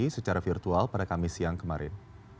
secara virtual pada kamis siang kemarin